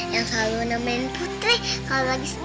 yang selalu namain putri kalau lagi sedih